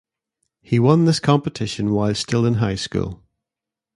He won this competition while still in high school.